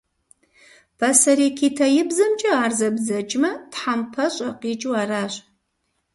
Пасэрей китаибзэмкӏэ ар зэбдзэкӏмэ, «тхьэмпэщӏэ» къикӏыу аращ.